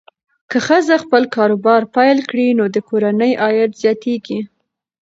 که ښځه خپل کاروبار پیل کړي، نو د کورنۍ عاید زیاتېږي.